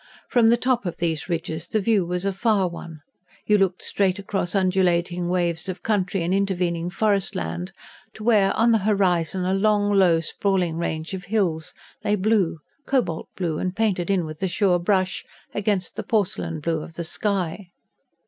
From the top of these ridges the view was a far one: you looked straight across undulating waves of country and intervening forest land, to where, on the horizon, a long, low sprawling range of hills lay blue cobalt blue, and painted in with a sure brush against the porcelain blue of the sky.